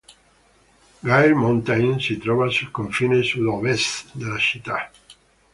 Gail Mountain si trova sul confine sud-ovest della città.